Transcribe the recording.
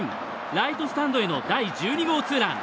ライトスタンドへの第１２号ツーラン。